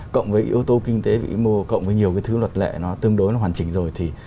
cộng với yếu tố kinh tế vĩ mô cộng với nhiều thứ luật lệ tương đối hoàn chỉnh rồi